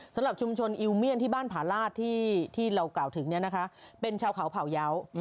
สำหรับชุมชนอิวเมียนที่บ้านผาลาศที่เรากล่าวถึงเป็นชาวเขาเผ่าเยา